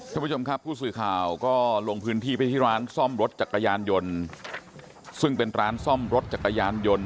คุณผู้ชมครับผู้สื่อข่าวก็ลงพื้นที่ไปที่ร้านซ่อมรถจักรยานยนต์